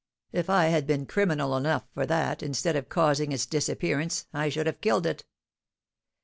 "If I had been criminal enough for that, instead of causing its disappearance, I should have killed it!"